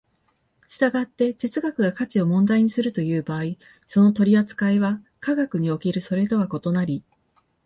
従って哲学が価値を問題にするという場合、その取扱いは科学におけるそれとは異なり、